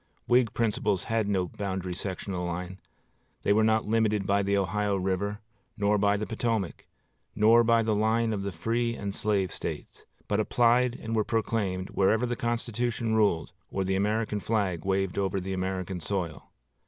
Whig principles had no boundary sectional line; they were not limited by the Ohio river, nor by the Potomac, nor by the line of the free and slave States, but applied and were proclaimed wherever the Constitution ruled or the American flag waved over the American soil.